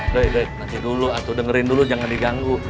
dek dek nanti dulu atu dengerin dulu jangan diganggu